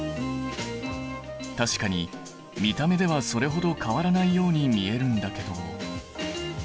確かに見た目ではそれほど変わらないように見えるんだけど。